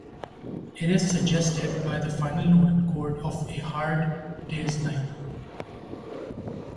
It is "suggested" by the final note and chord of "A Hard Day's Night".